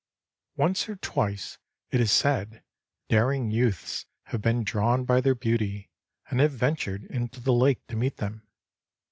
Once or twice, it is said, daring youths have been drawn by their beauty, and have ventured into the lake to meet them.